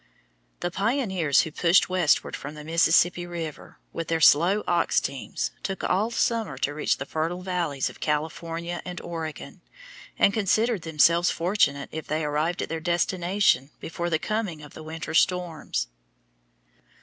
The pioneers who pushed westward from the Mississippi River with their slow ox teams took all summer to reach the fertile valleys of California and Oregon, and considered themselves fortunate if they arrived at their destination before the coming of the winter storms.